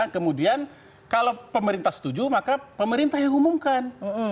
kemudian kalau pemerintah setuju maka pemerintah yang umumkan